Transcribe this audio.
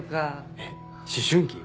えっ思春期？